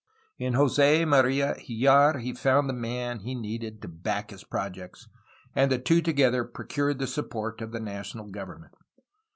In Jos6 Maria Hljar he found the man he needed to back his projects, and the two together pro cured the support of the national government.